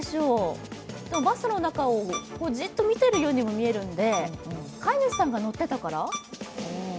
バスの中をじっと見てるようにも見えるんで飼い主さんが乗ってたから？